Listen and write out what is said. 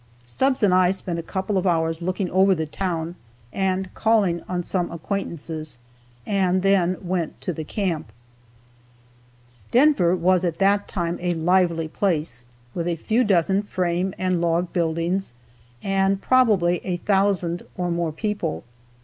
Stubbs and I spent a couple of hours looking over the town and calling on some acquaintances and then went to the camp. Denver was at that time a lively place, with a few dozen frame and log buildings, and probably a thousand or more people.